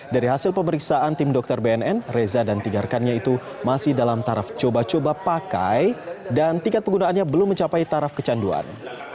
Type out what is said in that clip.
dari hasil pemeriksaan tim dokter bnn reza dan tiga rekannya itu masih dalam taraf coba coba pakai dan tingkat penggunaannya belum mencapai taraf kecanduan